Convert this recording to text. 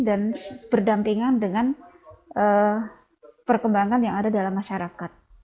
dan berdampingan dengan perkembangan yang ada dalam masyarakat